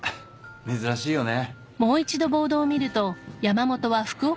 珍しいよね。